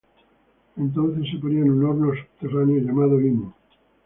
Entonces se ponía en un horno subterráneo llamado "imu".